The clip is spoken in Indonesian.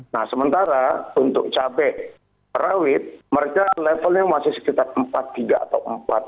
nah sementara untuk cabai rawit mereka levelnya masih sekitar empat tiga atau empat